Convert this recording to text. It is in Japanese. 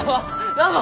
どうも！